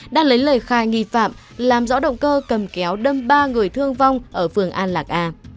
đang lấy lời khai nghi phạm làm rõ động cơ cầm kéo đâm ba người thương vong ở phường an lạc a